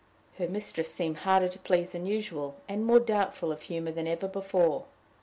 Her mistress seemed harder to please than usual, and more doubtful of humor than ever before.